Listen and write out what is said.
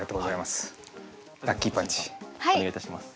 お願いいたします。